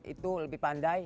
itu lebih pandai